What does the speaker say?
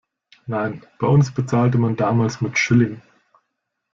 Nein, bei uns bezahlte man damals mit Schilling.